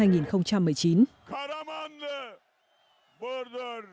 quốc vương ả rập xê út